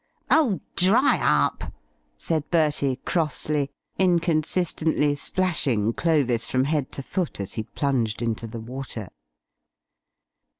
"Oh, dry up," said Bertie crossly, inconsistently splashing Clovis from head to foot as he plunged into the water.